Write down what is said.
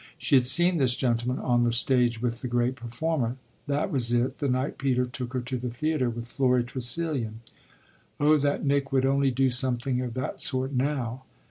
She had seen this gentleman on the stage with the great performer that was it, the night Peter took her to the theatre with Florry Tressilian. Oh that Nick would only do something of that sort now!